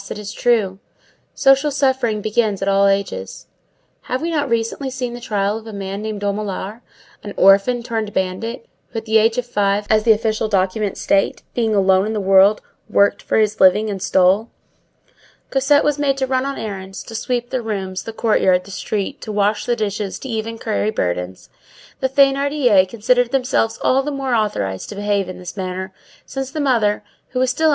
it is true. Social suffering begins at all ages. Have we not recently seen the trial of a man named Dumollard, an orphan turned bandit, who, from the age of five, as the official documents state, being alone in the world, "worked for his living and stole"? Cosette was made to run on errands, to sweep the rooms, the courtyard, the street, to wash the dishes, to even carry burdens. The Thénardiers considered themselves all the more authorized to behave in this manner, since the mother, who was still at M.